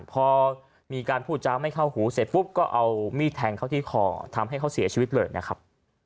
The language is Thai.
พอมีการพูดจ้าไม่เข้าหูเสร็จปุ๊บก็เอามีดแทงเข้าที่คอทำให้เขาเสียชีวิตเลยนะครับ